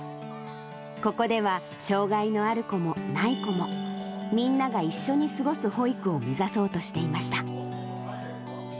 ここでは障がいのある子もない子も、みんなが一緒に過ごす保育を目指そうとしていました。